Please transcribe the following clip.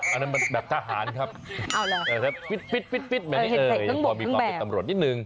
เอออันนั้นแบบทหารครับปิดปิดปิดปิดแบบนี้เออพอมีความเป็นตำรวจนิดนึง